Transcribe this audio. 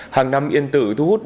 hàng năm yên tử thu hút đông